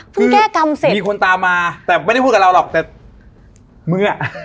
คือแก้กรรมเสร็จมีคนตามมาแต่ไม่ได้พูดกับเราหรอกแต่เมื่อ